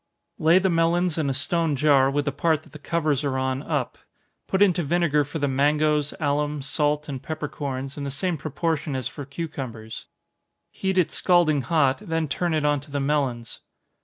Lay the melons in a stone jar, with the part that the covers are on, up. Put into vinegar for the mangoes, alum, salt and peppercorns, in the same proportion as for cucumbers heat it scalding hot, then turn it on to the melons.